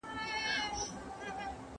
دا کتاب د نړۍ د هر وګړي لپاره یو پیغام لري.